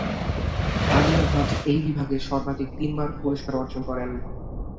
আলিয়া ভাট এই বিভাগে সর্বাধিক তিনবার পুরস্কার অর্জন করেন।